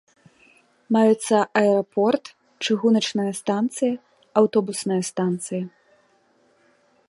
Маюцца аэрапорт, чыгуначная станцыя, аўтобусная станцыя.